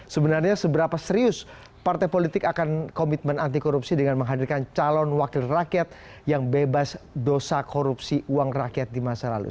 sebenarnya seberapa serius partai politik akan komitmen anti korupsi dengan menghadirkan calon wakil rakyat yang bebas dosa korupsi uang rakyat di masa lalu